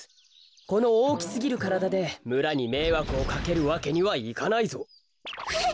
このおおきすぎるからだでむらにめいわくをかけるわけにはいかないぞ。えっ！？